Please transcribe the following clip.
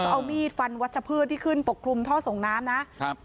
เอามีดฟันวัชพืชที่ขึ้นปกคลุมท่อส่งน้ำนะครับ